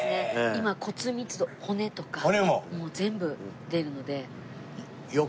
今骨密度骨とかもう全部出るので。